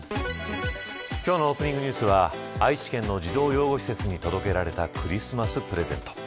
今日のオープニングニュースは愛知県の児童養護施設に届けられたクリスマスプレゼント。